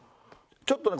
ちょっとね